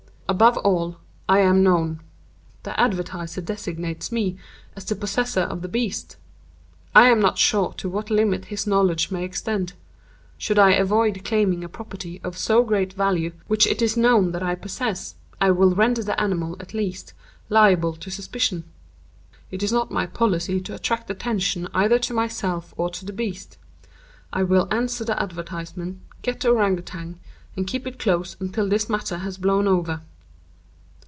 Above all, I am known. The advertiser designates me as the possessor of the beast. I am not sure to what limit his knowledge may extend. Should I avoid claiming a property of so great value, which it is known that I possess, I will render the animal at least, liable to suspicion. It is not my policy to attract attention either to myself or to the beast. I will answer the advertisement, get the Ourang Outang, and keep it close until this matter has blown over.